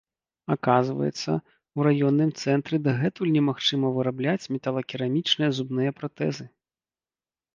Аказваецца, у раённым цэнтры дагэтуль немагчыма вырабляць металакерамічныя зубныя пратэзы.